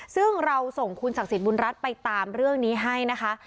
ซึ่งเราส่งคุณศักดิ์สิทธิบุญรัฐไปตามเรื่องนี้ให้นะคะ